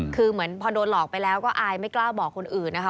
คือเหมือนพอโดนหลอกไปแล้วก็อายไม่กล้าบอกคนอื่นนะคะ